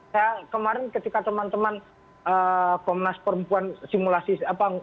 saya kemarin ketika teman teman komnas perempuan simulasi apa